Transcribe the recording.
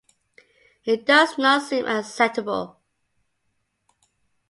This does not seem acceptable.